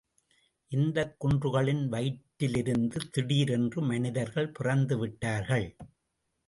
இந்தக் குன்றுகளின் வயிற்றிலிருந்து திடீரென்று மனிதர்கள் பிறந்துவிட்டார்கள்!